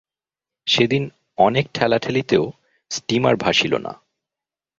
সেদিন অনেক ঠেলাঠেলিতেও স্টীমার ভাসিল না।